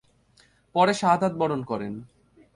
পরে শাহাদাত বরণ করেন।